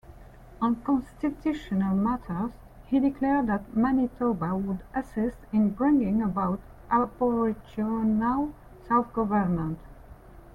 On constitutional matters, he declared that Manitoba would assist in bringing about aboriginal self-government.